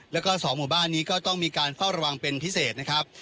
แล้วก็๒หมู่บ้านนี้ก็ต้องมีการเฝ้าระวังเป็นพิเศษนะครับ